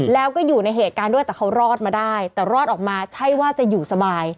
แล้วก็อยู่ในเหตุการณ์ด้วยแต่เขารอดมาได้แต่รอดออกมาใช่ว่าจะอยู่สบาย